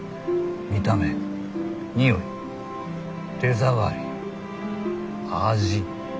見た目におい手触り味。